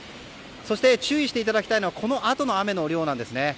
そして注意していただきたいのはこのあとの雨の量なんですね。